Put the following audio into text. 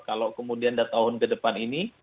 kalau kemudian dua tahun ke depan ini